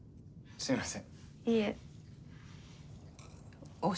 すみません。